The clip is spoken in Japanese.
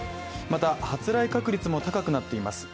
また発雷確率も高くなっています。